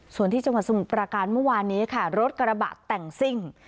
ส่วนที่จังหวัดสมุทรประการเมื่อวานนี้ค่ะรถกระบะแต่งซิ่ง